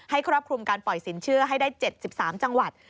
ครอบคลุมการปล่อยสินเชื่อให้ได้๗๓จังหวัด